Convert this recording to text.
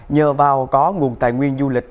nhờ vào có nguồn tài nguyên du lịch